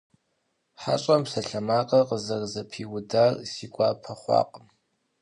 ХьэщӀэм псалъэмакъыр къызэрызэпиудар си гуапэ хъуакъым.